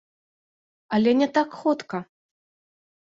Але не так хутка.